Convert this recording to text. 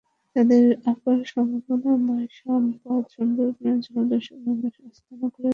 আমাদের অপার সম্ভাবনাময় সম্পদ সুন্দরবনে জলদস্যু, বনদস্যুদের আস্তানা গড়তে দেব না।